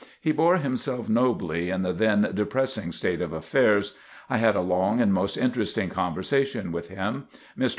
He bore himself nobly in the then depressing state of affairs. I had a long and most interesting conversation with him. Mr.